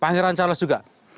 pangeran charles juga